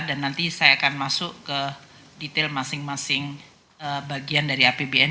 dan nanti saya akan masuk ke detail masing masing bagian dari apbn